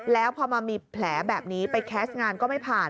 แล้วพอมามีแผลแบบนี้ไปแคสต์งานก็ไม่ผ่าน